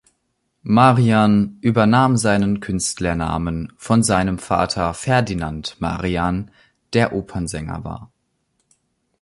Marian übernahm seinen Künstlernamen von seinem Vater Ferdinand Marian, der Opernsänger war.